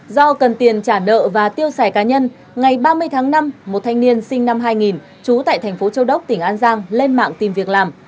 do cần tiền trả nợ và tiêu xài cá nhân ngày ba mươi tháng năm một thanh niên sinh năm hai nghìn trú tại thành phố châu đốc tỉnh an giang lên mạng tìm việc làm